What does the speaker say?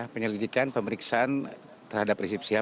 penyelidikan pemeriksaan terhadap resipsi hak